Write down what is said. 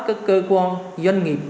các cơ quan doanh nghiệp